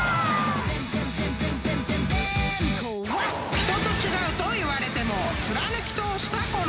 ［人と違うと言われても貫き通したこの我流］